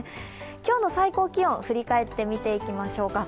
今日の最高気温、振り返って見ていきましょうか。